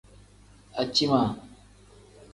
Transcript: Aciima.